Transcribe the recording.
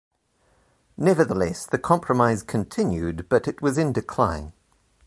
Nevertheless, the Compromise continued but it was in decline.